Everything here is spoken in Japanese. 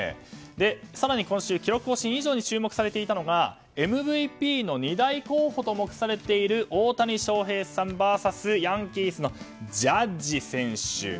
更に今週、記録更新以上に注目されていたのがＭＶＰの２大候補と目されている大谷翔平さんＶＳヤンキースのジャッジ選手。